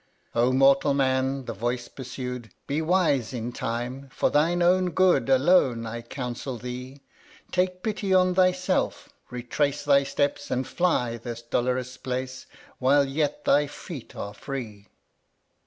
17. " O mortal Man," the Voice pursued, " Be wise in time ! for thine own good Alone I counsel thee ; Take pity on thyself ; retrace Thy steps, and fly this dolorous place, While yet thy feet are free.